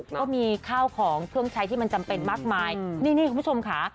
ก็มีข้าวของเครื่องใช้ที่มันจำเป็นมากมายนี่คุณผู้ชมค่ะ